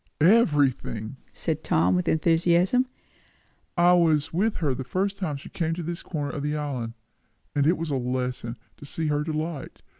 "Everything!" said Tom with enthusiasm. "I was with her the first time she came to this corner of the island, and it was a lesson, to see her delight.